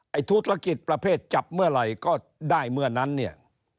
ธุรกิจประเภทจับเมื่อไหร่ก็ได้เมื่อนั้นเนี่ย